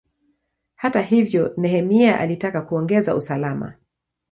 Hata hivyo, Nehemia alitaka kuongeza usalama.